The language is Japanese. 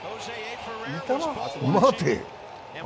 待て！